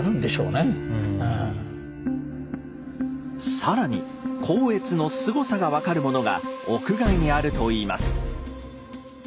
更に光悦のすごさが分かるものが屋外にあるといいます。